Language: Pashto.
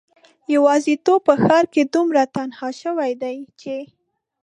یوازیتوب په ښار کې دومره تنها شوی دی چې